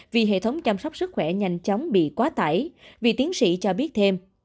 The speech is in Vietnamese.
trong hệ thống chăm sóc sức khỏe nhanh chóng bị quá tải vị tiến sĩ cho biết thêm